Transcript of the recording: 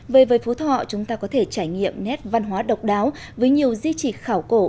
về với phú thọ chúng ta có thể trải nghiệm nét văn hóa độc đáo với nhiều di trị khảo cổ